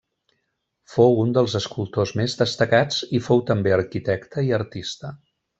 Fou un dels escultors més destacats i fou també arquitecte i artista.